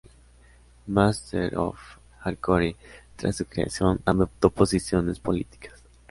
Masters of Hardcore, tras su creación, adoptó posiciones políticas.